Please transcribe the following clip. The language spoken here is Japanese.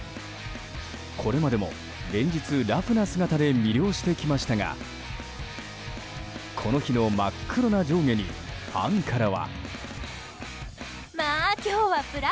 これまでも連日ラフな姿で魅了してきましたがこの日の真っ黒な上下にファンからは。